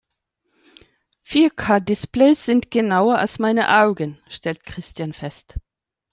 Vier-K-Displays sind genauer als meine Augen, stellt Christian fest.